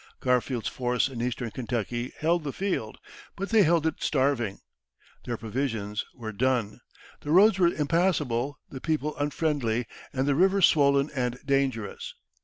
Garfield's force in Eastern Kentucky held the field, but they held it starving. Their provisions were done, the roads were impassable, the people unfriendly, and the river swollen and dangerous.